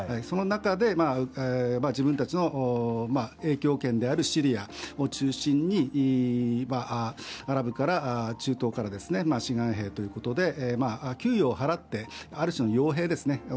その中で自分たちの影響圏であるシリアを中心にアラブから中東から志願兵ということで給与を払ってある種の傭兵ですね。